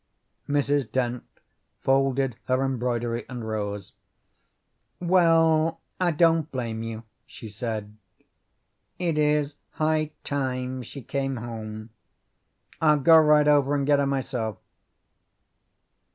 Mrs. Dent folded her embroidery and rose. "Well, I don't blame you," she said. "It is high time she came home. I'll go right over and get her myself."